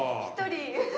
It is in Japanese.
１人。